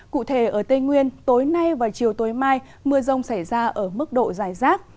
cụ thể ở tây nguyên tối nay và chiều tối mai mưa rông xảy ra ở mức độ dài rác